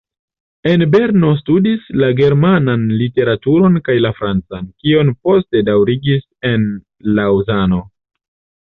En Berno studis la germanan literaturon kaj la francan, kion poste daŭrigis en Laŭzano.